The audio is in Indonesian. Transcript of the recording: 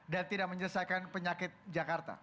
dan tidak menyelesaikan penyakit jakarta